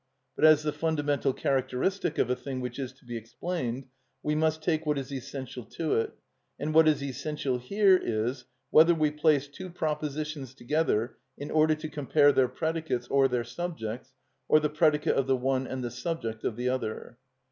But as the fundamental characteristic of a thing which is to be explained, we must take what is essential to it; and what is essential here is, whether we place two propositions together in order to compare their predicates or their subjects, or the predicate of the one and the subject of the other.